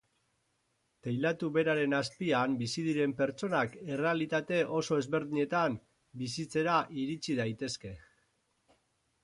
Teilatu beraren azpian bizi diren pertsonak errealitate oso ezberdinetan bizitzera irits daitezke.